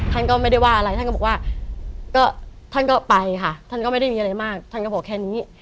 ท่านก็ไม่ได้ว่าอะไรท่านก็บอกว่าก็ท่านก็ไปค่ะท่านก็ไม่ได้มีอะไรมากท่านก็บอกแค่นี้